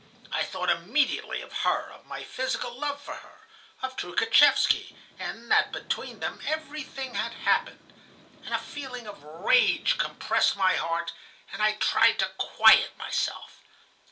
I thought immediately of her, of my physical love for her, of Troukhatchevsky, and that between them everything had happened. And a feeling of rage compressed my heart, and I tried to quiet myself.